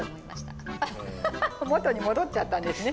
アハハハッ元に戻っちゃったんですね！